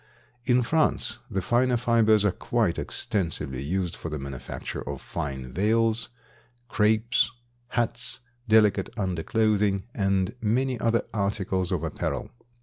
In France the finer fibers are quite extensively used for the manufacture of fine veils, crapes, hats, delicate underclothing and many other articles of apparel.